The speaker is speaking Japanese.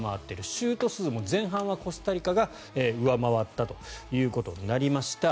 シュート数も前半はコスタリカが上回ったということになりました。